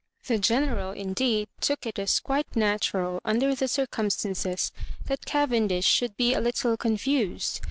The General, indeed, took it as quite natural, under the circumstances, that Cavendish should be a little confused.